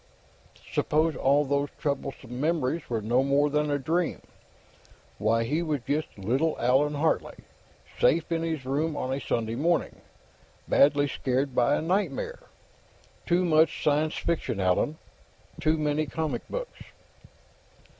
Suppose all these troublesome memories were no more than a dream? Why, he was just little Allan Hartley, safe in his room on a Sunday morning, badly scared by a nightmare! Too much science fiction, Allan; too many comic books!